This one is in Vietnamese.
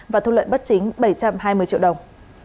và thu lợi bất chính bảy trăm hai mươi triệu đồng